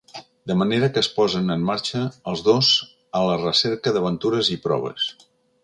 De manera que es posen en marxa els dos a la recerca d'aventures i proves.